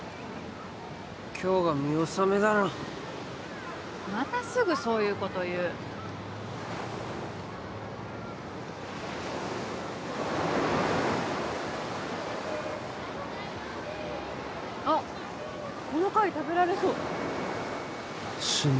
今日が見納めだろまたすぐそういうこと言うあっこの貝食べられそうしん